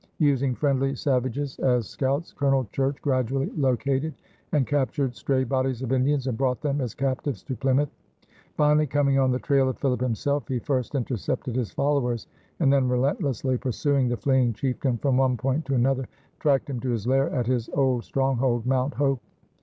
Using friendly savages as scouts, Colonel Church gradually located and captured stray bodies of Indians and brought them as captives to Plymouth. Finally, coming on the trail of Philip himself, he first intercepted his followers, and then, relentlessly pursuing the fleeing chieftain from one point to another, tracked him to his lair at his old stronghold, Mount Hope.